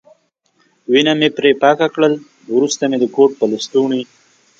وینه مې پرې پاکه کړل، وروسته مې د کوټ په لستوڼي.